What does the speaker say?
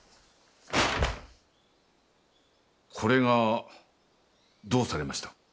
これがどうされました？